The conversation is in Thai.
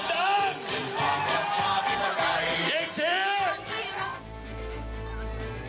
เจ้งเทียบ